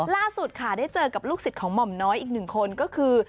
ล่าสุดค่ะได้เจอกับลูกศิษย์ของหม่อมน้อยอีกหนึ่งคนก็คือ